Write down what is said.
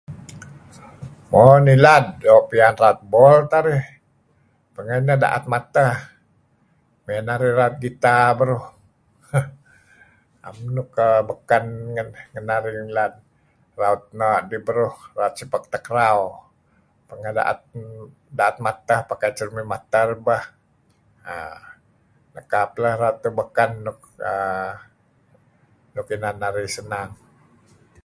Mo' nilad doo' piyan raut bol teh arih, pengeh neh da'et matah mey narih raut guitar beruh, 'em nuk beken ngen narih nilad, raut no'dih beruh sepak takraw. Pengah da'et matah pakai cermin matah arih beh err nekap raut beken luk inan arih senang.